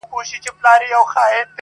ژوند د وېري سيوري للاندي دی,